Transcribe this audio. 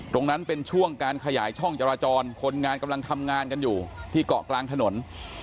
ตรงนั้นเป็นช่วงการขยายช่องจราจรคนงานกำลังทำงานกันอยู่ที่เกาะกลางถนน